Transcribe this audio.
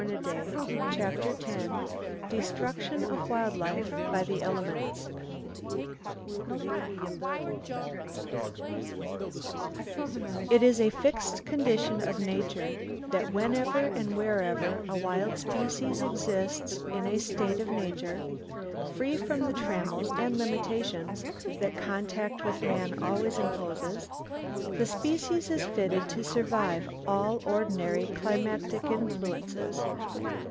[Page 88] CHAPTER X DESTRUCTION OF WILD LIFE BY THE ELEMENTS It is a fixed condition of Nature that whenever and wherever a wild species exists in a state of nature, free from the trammels and limitations that contact with man always imposes, the species is fitted to survive all ordinary climatic influences.